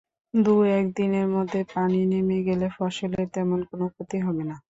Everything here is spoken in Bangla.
দু-এক দিনের মধ্যে পানি নেমে গেলে ফসলের তেমন কোনো ক্ষতি হবে না।